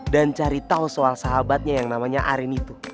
dan cari tau soal sahabatnya yang namanya arin itu